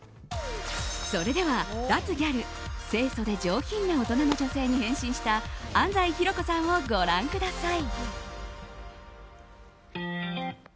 それでは、脱ギャル清楚で上品な大人の女性に変身した安西ひろこさんをご覧ください。